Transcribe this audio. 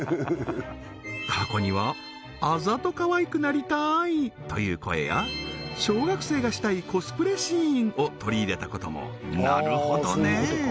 過去にはあざとかわいくなりたいという声や小学生がしたいコスプレシーンを取り入れたこともなるほどね